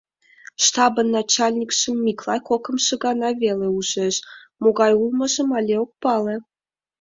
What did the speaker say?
Штабын начальникшым Миклай кокымшо гана веле ужеш, могай улмыжым але ок пале.